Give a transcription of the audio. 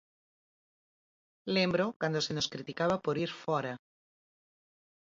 Lembro cando se nos criticaba por ir fóra.